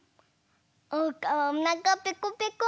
おうかはおなかペコペコ！